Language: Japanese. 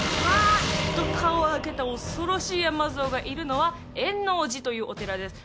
っと顔をあけた恐ろしい閻魔像がいるのは円応寺というお寺です